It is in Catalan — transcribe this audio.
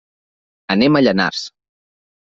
Anem a Llanars.